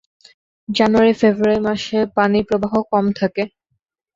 জানুয়ারি-ফেব্রুয়ারি মাসে পানিপ্রবাহ কম থাকে।